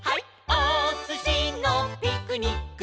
おすしのピクニック」